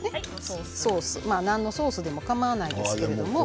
ソース、何のソースでもかまわないんですけど。